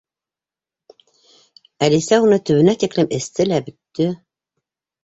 Әлисә уны төбөнә тиклем эсте лә бөттө.